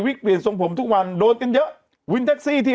เปลี่ยนทรงผมทุกวันโดนกันเยอะวินแท็กซี่ที่